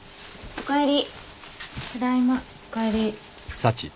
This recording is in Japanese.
おかえり。